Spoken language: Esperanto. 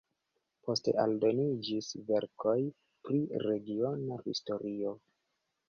Poste aldoniĝis verkoj pri regiona historio.